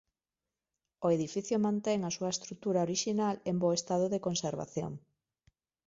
O edificio mantén a súa estrutura orixinal en bo estado de conservación.